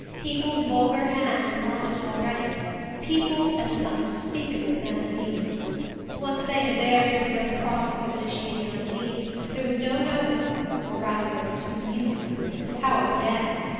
Popple's vulgar hands were on it already Popple's and the unspeakable Van Degen's! Once they and theirs had begun the process of initiating Undine, there was no knowing or rather there was too easy knowing how it would end!